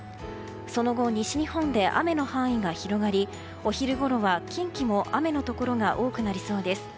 その後、西日本で雨の範囲が広がりお昼ごろは近畿も雨のところが多くなりそうです。